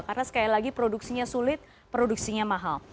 karena sekali lagi produksinya sulit produksinya mahal